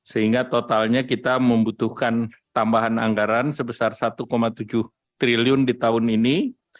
sehingga totalnya kita membutuhkan tambahan anggaran sebesar satu tujuh triliun di tahun ini